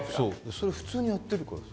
それ普通にやってるからさ。